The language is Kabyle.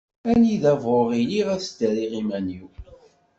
Anida bɣuɣ iliɣ ad sdariɣ iman-iw.